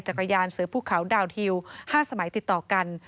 ยานเสือภูเขาดาวนฮิว๕สมัยติดต่อกัน